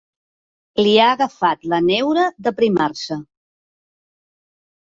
Li ha agafat la neura d'aprimar-se.